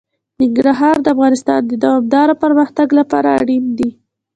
ننګرهار د افغانستان د دوامداره پرمختګ لپاره اړین دي.